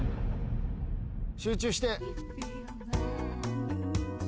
集中して。